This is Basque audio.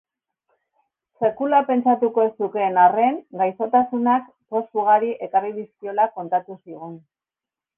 Sekula pentsatuko ez zukeen arren, gaixotasunak poz ugari ekarri dizkiola kontatu zigun.